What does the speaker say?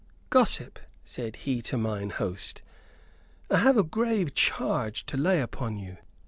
"Gossip," said he to mine host, "I have a grave charge to lay upon you.